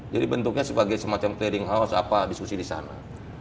jadi bentuknya sebagai semacam clearing house apa diskusi di sana